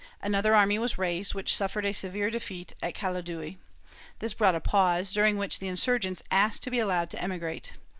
Another army was raised, which suffered a severe defeat at Caladui. This brought a pause, during which the insurgents asked to be allowed to emigrate.